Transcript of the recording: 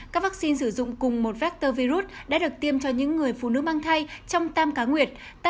các vaccine sử dụng cùng một vector virus đã được tiêm cho những người phụ nữ mang thai trong tam cá nguyệt